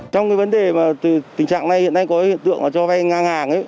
trong cái vấn đề mà tình trạng này hiện nay có hiện tượng là cho vay ngang hàng ấy